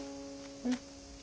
うん。